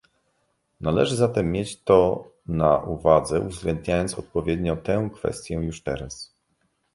Należy zatem mieć to na uwadze, uwzględniając odpowiednio tę kwestię już teraz